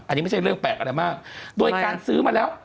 อันนี้ไม่ใช่เรื่องแปลกอะไรมากโดยการซื้อมาแล้ว